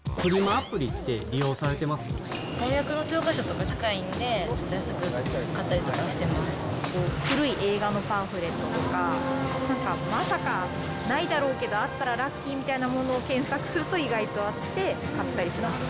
アプリって、利用され大学の教科書とか高いんで、古い映画のパンフレットとか、なんかまさかないだろうけど、あったらラッキーみたいなものを検索すると意外とあって、買ったりしました。